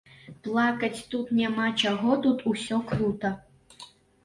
Плакаць тут няма чаго, тут усё крута.